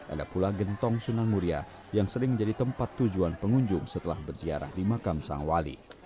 ada pula gentong sunan muria yang sering menjadi tempat tujuan pengunjung setelah berziarah di makam sang wali